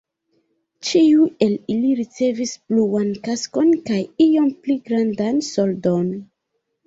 Ĉiu el ili ricevis bluan kaskon kaj iom pli grandan soldon.